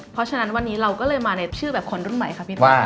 เพราะฉะนั้นวันนี้เราก็เลยมาในชื่อแบบคนรุ่นใหม่ค่ะพี่ป้า